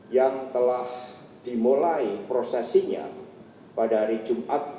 yang telah dimulai prosesinya pada hari jumat